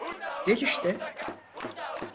Gel işte.